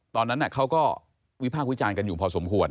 ตอนนั้นเขาก็วิพากษ์วิจารณ์กันอยู่พอสมควร